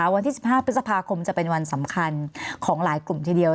วันที่๑๕พฤษภาคมจะเป็นวันสำคัญของหลายกลุ่มทีเดียว